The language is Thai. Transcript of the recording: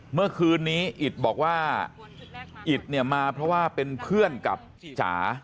เมื่อคืนนี้อิตบอกว่าอิตเนี่ยมาเพราะว่าเป็นเพื่อนกับจ๋า